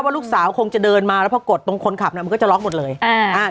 ลูกสาวคงจะเดินมาแล้วพอกดตรงคนขับน่ะมันก็จะล็อกหมดเลยอ่าอ่า